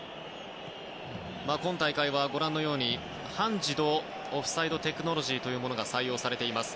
今大会は、半自動オフサイドテクノロジーというものが採用されています。